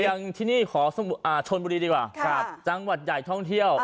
อย่างที่นี่ขอชนบุรีดีกว่าจังหวัดใหญ่ท่องเที่ยว